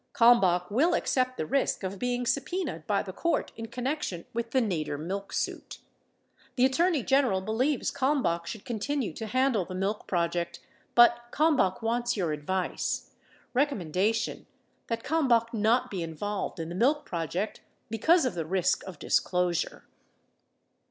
... Kalmbach will accept the risk of being subpenaed by the court in connection with the Nader milk suit. The Attorney General believes Kalmbach should continue to handle the milk project, but Kalmbach wants your advice. Recommendation. — That Kalmbach not be involved in the milk project because of the risk of disclosure.